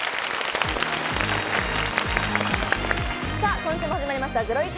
今週も始まりました、『ゼロイチ』。